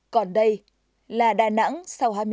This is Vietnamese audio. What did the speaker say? còn đây là đà nẵng sau hồi